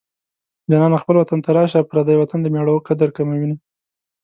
جانانه خپل وطن ته راشه پردی وطن د مېړو قدر کموينه